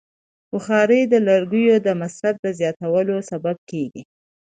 بخاري د لرګیو د مصرف زیاتوالی سبب کېږي.